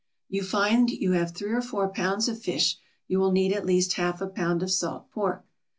You find you have three or four pounds of fish; you will need at least half a pound of salt pork.